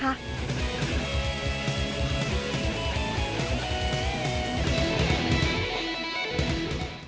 เวลา๔ทุ่มครึ่งนะคะ